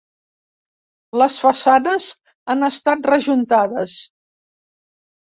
Les façanes han estat rejuntades.